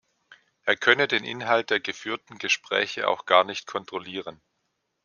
Er könne den Inhalt der geführten Gespräche auch gar nicht kontrollieren.